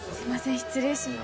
失礼します。